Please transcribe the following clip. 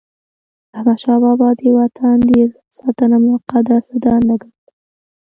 احمدشاه بابا د وطن د عزت ساتنه مقدسه دنده ګڼله.